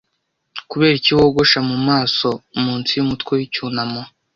Kuberiki wogosha mumaso munsi yumutwe wicyunamo?